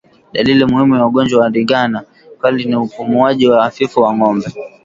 Dalili muhimu ya ugonjwa wa ndigana kali ni upumuaji hafifu wa ngombe